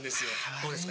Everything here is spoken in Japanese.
どうですか？